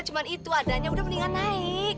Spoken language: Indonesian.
cuma itu adanya udah mendingan naik